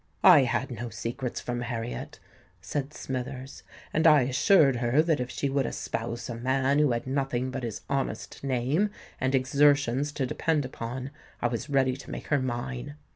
"I had no secrets from Harriet," said Smithers; "and I assured her that if she would espouse a man who had nothing but his honest name and exertions to depend upon, I was ready to make her mine.